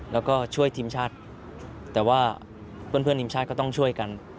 แล้วก็ช่วยทีมชาติแต่ว่าเพื่อนทีมชาติก็ต้องช่วยกัน